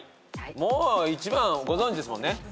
もう１番ご存じですもんね。